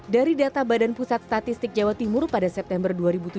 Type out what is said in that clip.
dari data badan pusat statistik jawa timur pada september dua ribu tujuh belas